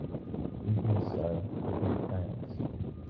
Even so, the book fails#.